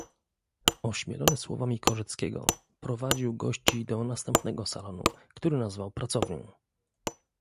"Ośmielony słowami Korzeckiego prowadził gości do następnego salonu, który nazwał »pracownią«."